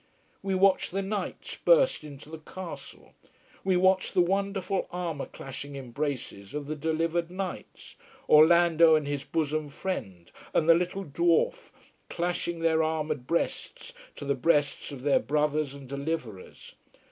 We watched the knights burst into the castle. We watched the wonderful armour clashing embraces of the delivered knights, Orlando and his bosom friend and the little dwarf, clashing their armoured breasts to the breasts of their brothers and deliverers.